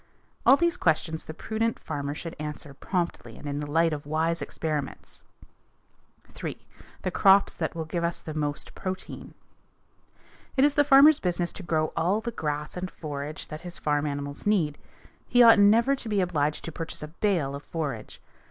All these questions the prudent farmer should answer promptly and in the light of wise experiments. 3. The crops that will give us the most protein. It is the farmer's business to grow all the grass and forage that his farm animals need. He ought never to be obliged to purchase a bale of forage.